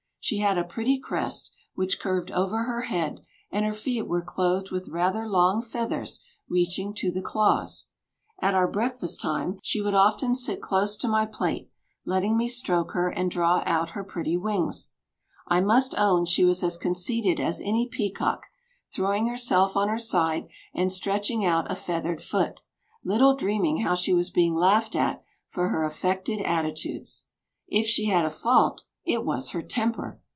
She had a pretty crest, which curved over her head, and her feet were clothed with rather long feathers reaching to the claws. At our breakfast time she would often sit close to my plate, letting me stroke her and draw out her pretty wings. I must own she was as conceited as any peacock, throwing herself on her side and stretching out a feathered foot, little dreaming how she was being laughed at for her affected attitudes. If she had a fault, it was her temper!